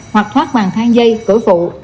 hoặc thoát bàn thang dây cửa phụ